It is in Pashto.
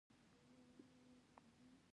تېره شپه خرابات ته ولاړم لار مې نه وه.